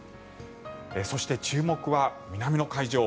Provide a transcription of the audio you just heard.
そして、注目は南の海上。